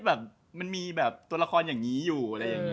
เฮ้ยมันมีแบบตัวละครอย่างนี้อยู่